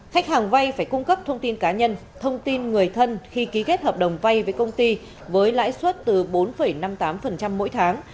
khách hàng vay phải cung cấp thông tin cá nhân thông tin người thân khi ký kết hợp đồng vay với công ty với lãi suất từ bốn năm mươi tám mỗi tháng